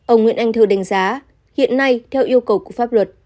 ông nguyễn anh thư đánh giá hiện nay theo yêu cầu của pháp luật